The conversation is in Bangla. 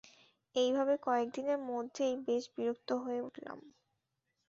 এইভাবে কয়েকদিনের মধ্যেই বেশ বিরক্ত হয়ে উঠলাম।